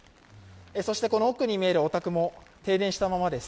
そしてこの奥に見えるお宅も停電したままです。